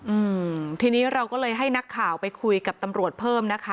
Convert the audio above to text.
อืมทีนี้เราก็เลยให้นักข่าวไปคุยกับตำรวจเพิ่มนะคะ